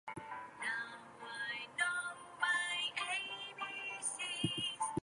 This art work was used for the picture vinyl disc and various minor pressings.